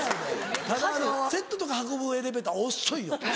ただあのセットとか運ぶエレベーター遅いよ。